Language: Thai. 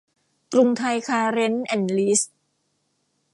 กรุงไทยคาร์เร้นท์ แอนด์ ลีส